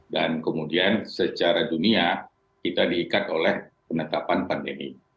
dan kemudian secara dunia kita diikat oleh penetapan pandemi